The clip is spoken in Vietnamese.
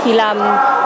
khi mà tiêm xong